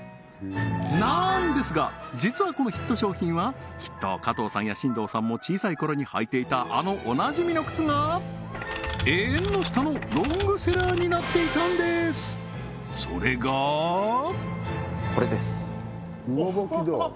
なんですが実はこのヒット商品はきっと加藤さんや進藤さんも小さいころに履いていたあのおなじみの靴がえんの下のロングセラーになっていたんですそれがこれです